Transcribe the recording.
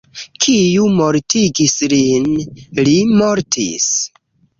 Kiu mortigis lin? Li mortis!